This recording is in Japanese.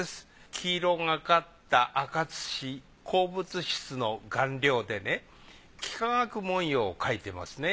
黄色がかった赤土鉱物質の顔料でね幾何学文様を描いていますね。